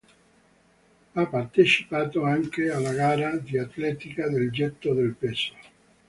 Ha partecipato anche alla gara di atletica del getto del peso.